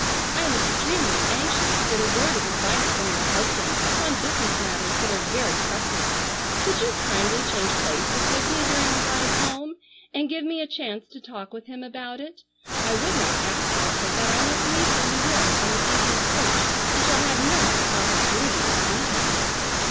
I am extremely anxious to get a word of advice from your husband upon business matters that are very pressing. Would you kindly change places with me during the ride home, and give me a chance to talk with him about it? I would not ask it but that I must leave for New York on the evening coach and shall have no other opportunity to see him."